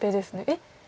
えっ？